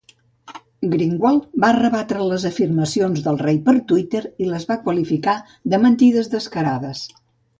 Greenwald va rebatre les afirmacions del rei per Twitter i les va qualificar de "mentides descarades".